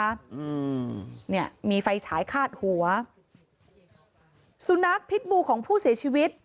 อืมเนี่ยมีไฟฉายคาดหัวสุนัขพิษบูของผู้เสียชีวิต